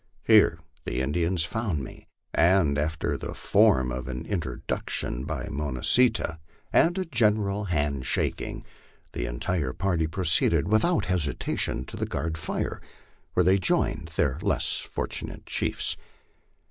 Here the Indians found me, and after the form of an introduction by Mo nali see tah and a general hand shaking, the entire party proceeded without hesitation to the guard fire, where they joined their less fortunate chiefs.